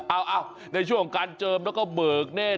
โอ้โหในช่วงการเจิมแล้วก็เบิกเนธ